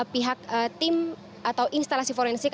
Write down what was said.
pihak tim atau instalasi forensik